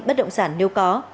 bất động sản nếu có